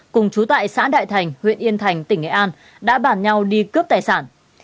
cùng chú tại xã đại thành huyện yên thành tỉnh nghệ an đã bàn nhau đi cướp tài sản